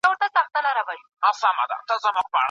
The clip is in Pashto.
ایا کورني سوداګر وچ زردالو ساتي؟